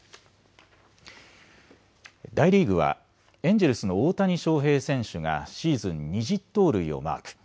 大リーグはエンジェルスの大谷翔平選手がシーズン２０盗塁をマーク。